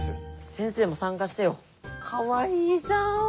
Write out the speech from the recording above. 先生も参加してよ。かわいいじゃん！